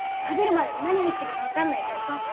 食べるまで何入ってるかわからないからさ。